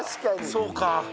そうか。